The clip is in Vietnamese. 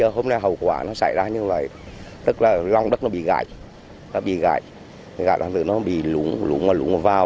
hôm nay hậu quả nó xảy ra như vậy tức là lòng đất nó bị gãy nó bị gãy gãy là nó bị lũng và lũng vào